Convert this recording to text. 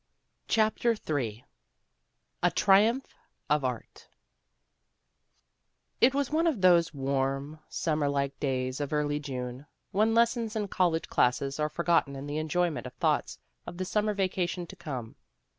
CHAPTER III A TRIUMPH OF ART IT was one of those warm, summer like days of early June, when lessons and college classes are forgotten in the enjoyment of thoughts of the summer vacation to come.